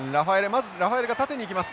まずラファエレが縦に行きます。